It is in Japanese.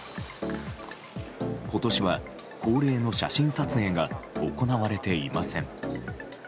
今年は恒例の写真撮影が行われていません。